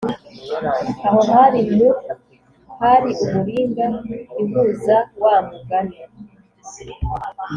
aho hari muck hari umuringa ihuza wa mugani